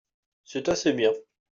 c'est assez bien.